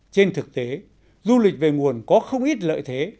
trên thực tế du lịch về nguồn có không ít lợi thế